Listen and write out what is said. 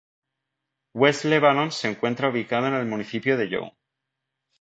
West Lebanon se encuentra ubicado en el municipio de Young.